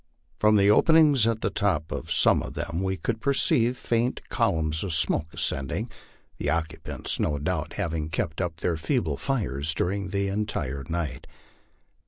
From the openings at the top of some of them we could per ceive faint columns of smoke ascending, the occupants no doubt having kept up their feeble fires during the entire night.